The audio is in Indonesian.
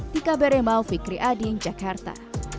tika beremao fikri ading jakarta